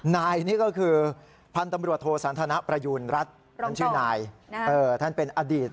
นายนี่ก็คือพันธุ์ตำรวจโทสันทนประยูณรัฐท่านชื่อนายท่านเป็นอดีต